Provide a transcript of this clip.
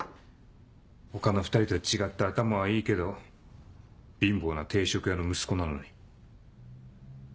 他の２人と違って頭はいいけど貧乏な定食屋の息子なのに。